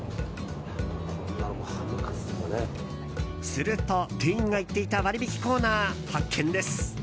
すると、店員が言っていた割引コーナー発見です。